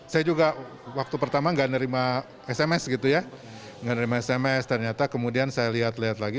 saya juga waktu pertama nggak nerima sms ternyata kemudian saya lihat lihat lagi